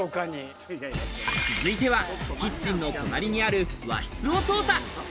続いてはキッチンの隣にある和室を捜査。